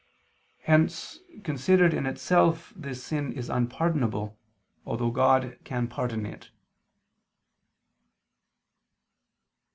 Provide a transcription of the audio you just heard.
Hence considered in itself this sin is unpardonable, although God can pardon it.